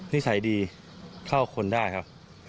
นิสัยดีเข้าคนได้ครับ